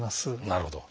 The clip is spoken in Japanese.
なるほど。